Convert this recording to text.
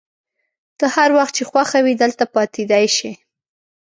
ته هر وخت چي خوښه وي دلته پاتېدای شې.